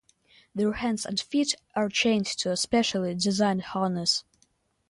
Their hands and feet are chained to a specially designed harness.